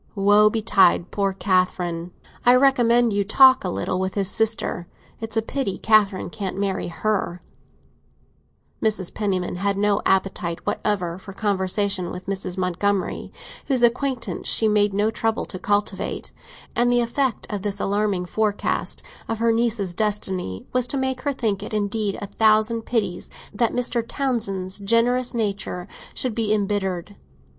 Woe betide poor Catherine! I recommend you to talk a little with his sister; it's a pity Catherine can't marry her!" Mrs. Penniman had no appetite whatever for conversation with Mrs. Montgomery, whose acquaintance she made no trouble to cultivate; and the effect of this alarming forecast of her niece's destiny was to make her think it indeed a thousand pities that Mr. Townsend's generous nature should be embittered.